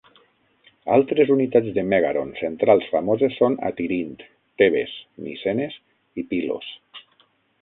Altres unitats de mègaron centrals famoses són a Tirint, Tebes, Micenes i Pilos.